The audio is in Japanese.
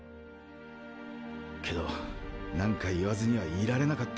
けどなんか言わずにはいられなかったつぅか。